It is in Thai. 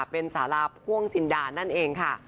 เป็นสาราพ่วงจินดานั่นเองค่ะ